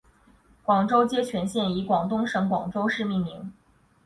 广州街全线以广东省广州市命名。